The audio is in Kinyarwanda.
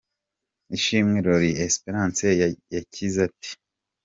Ishimwe Lorie Esperance yakize ate ?.